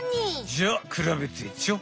じゃあくらべてちょ。